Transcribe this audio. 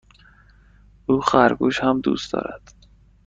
او خرگوش هم دوست دارد.